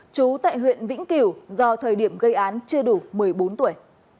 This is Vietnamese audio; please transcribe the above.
trú tại huyện vĩnh kiểu do thời điểm gây án chưa đủ một mươi bốn tuổi